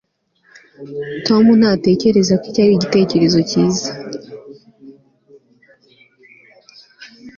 tom ntatekereza ko iki ari igitekerezo cyiza